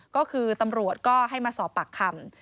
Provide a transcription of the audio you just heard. ก็คือตำรวจก็ให้มาสอบปากคำ